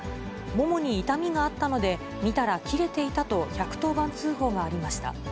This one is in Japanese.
ももに痛みがあったので、見たら切れていたと１１０番通報がありました。